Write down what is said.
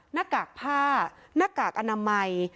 หน้ากากผ้าหน้ากากอนามัย